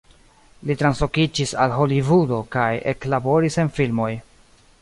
Li translokiĝis al Holivudo kaj eklaboris en filmoj.